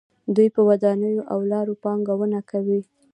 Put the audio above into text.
دوی په ودانیو او لارو پانګونه کوي.